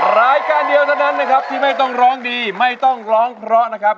รายการเดียวเท่านั้นนะครับที่ไม่ต้องร้องดีไม่ต้องร้องเพราะนะครับ